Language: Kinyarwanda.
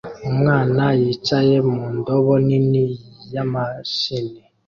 Umwana yicaye mu ndobo nini ya mashini